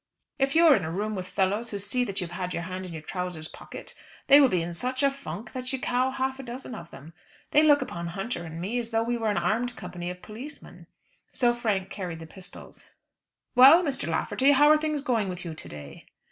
If you are in a room with fellows who see that you have your hand in your trousers' pocket, they will be in such a funk that you cow half a dozen of them. They look upon Hunter and me as though we were an armed company of policemen." So Frank carried the pistols. "Well, Mr. Lafferty, how are things going with you to day?"